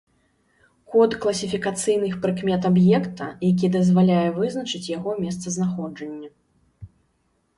Код класіфікацыйных прыкмет аб'екта, які дазваляе вызначыць яго месцазнаходжанне.